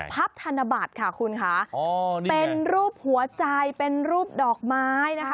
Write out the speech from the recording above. ธนบัตรค่ะคุณค่ะเป็นรูปหัวใจเป็นรูปดอกไม้นะคะ